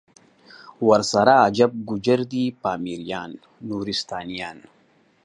ورسره عرب، گوجر دی پامیریان، نورستانیان